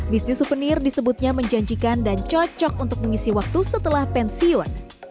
bisnis suvenir disebutnya menjanjikan dan cocok untuk mengisi waktu setelah pensiun